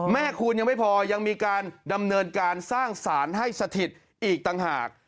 คูณยังไม่พอยังมีการดำเนินการสร้างสารให้สถิตอีกต่างหาก